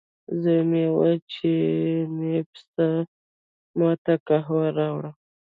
زوی مې وویل، چې مې پسه ما ته قهوه راوړه.